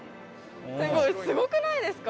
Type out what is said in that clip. すごくないですか？